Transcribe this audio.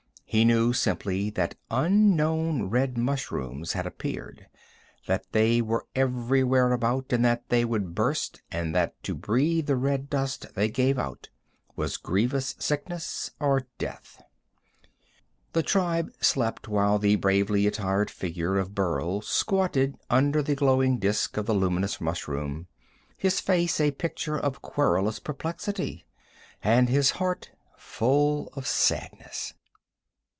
He knew simply that unknown red mushrooms had appeared, that they were everywhere about, and that they would burst, and that to breathe the red dust they gave out was grievous sickness or death. The tribe slept while the bravely attired figure of Burl squatted under the glowing disk of the luminous mushroom, his face a picture of querulous perplexity, and his heart full of sadness.